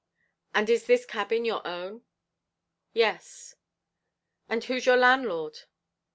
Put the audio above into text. "And is this cabin your own?" "Yes." "And who's your landlord?"